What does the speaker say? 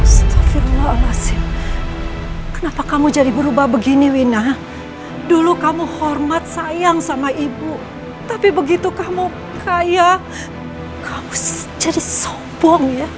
astaghfirullahaladzim kenapa kamu jadi berubah begini winah dulu kamu hormat sayang sama ibu tapi begitu kamu kaya kamu jadi sobong ya